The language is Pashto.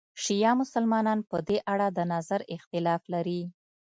شیعه مسلمانان په دې اړه د نظر اختلاف لري.